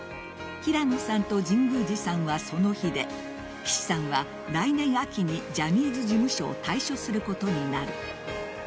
平野さんと神宮寺さんはその日で岸さんは来年秋にジャニーズ事務所を退所することになる。